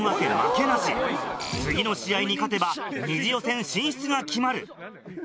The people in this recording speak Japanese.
次の試合に勝てば二次予選進出が決まる。